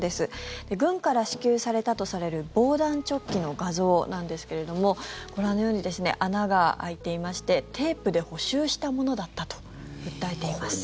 軍から支給されたとされる防弾チョッキの画像なんですけどご覧のように穴が開いていましてテープで補修したものだったと訴えています。